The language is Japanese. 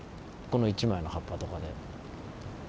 この一枚の葉っぱとかで。